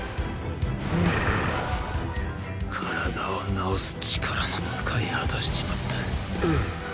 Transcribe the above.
体を治す力も使い果たしちまった。